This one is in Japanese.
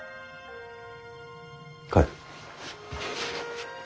帰る。